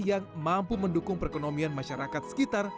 yang mampu mendukung perekonomian masyarakat sekitar